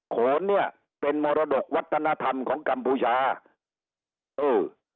โขนเนี่ยเป็นมรดกวัฒนธรรมของกัมพูชาเออ